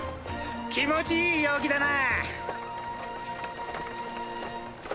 気持ちいい陽気だな。